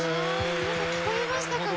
皆さん聞こえましたかね？